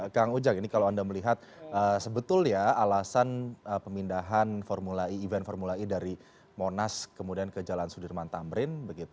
kang ujang ini kalau anda melihat sebetulnya alasan pemindahan event formula e dari monas kemudian ke jalan sudirman tamrin